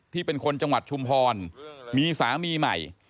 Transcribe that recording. เป็นคนจังหวัดชุมพรมีสามีใหม่